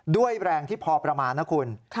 ด้วยแรงที่พอประมาณนะคุณ